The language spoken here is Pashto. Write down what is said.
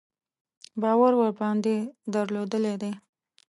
باور ورباندې درلودلی دی.